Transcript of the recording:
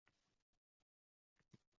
Nasl ayolniki emas, erkakniki.